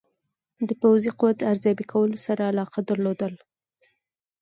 د پوځي قوت ارزیابي کولو سره علاقه درلوده.